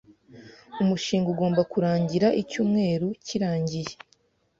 Umushinga ugomba kurangira icyumweru kirangiye.